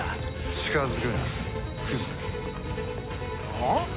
近づくなクズが。はあ？